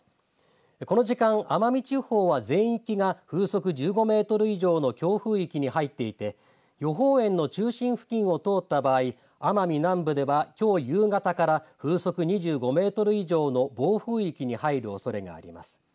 この時間、奄美地方は全域が風速１５メートル以上の強風域に入っていて予報円の中心付近を通った場合奄美南部ではきょう夕方から風速２５メートル以上の暴風域に入るおそれがあります。